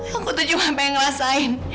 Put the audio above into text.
aku tuh cuma pengen ngerasain